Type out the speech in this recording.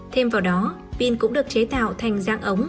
thêm vào đó pin cũng được chế tạo thành dạng ống